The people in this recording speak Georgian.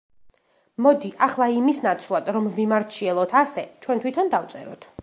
მოდი, ახლა იმის ნაცვლად, რომ ვიმარჩიელოთ ასე, ჩვენ თვითონ დავწეროთ.